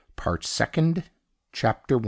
PART SECOND. CHAPTER I.